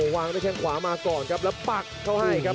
วางด้วยแข้งขวามาก่อนครับแล้วปักเข้าให้ครับ